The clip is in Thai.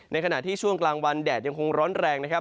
ขณะที่ช่วงกลางวันแดดยังคงร้อนแรงนะครับ